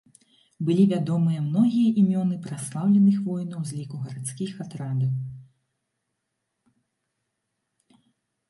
Былі вядомыя многія імёны праслаўленых воінаў з ліку гарадскіх атрадаў.